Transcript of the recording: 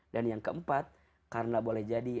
dan yang keempat karena boleh jadi